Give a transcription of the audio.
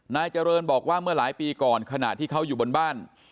นายเจริญบอกว่าเมื่อหลายปีก่อนขณะที่เขาอยู่บนบ้าน